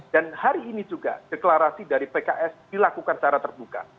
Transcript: dan hari ini juga deklarasi dari pks dilakukan secara terbuka